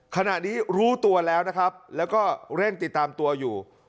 ขณะนี้รู้ตัวแล้วนะครับแล้วก็เร่งติดตามตัวอยู่